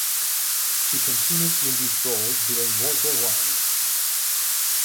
She continued in this role during World War One.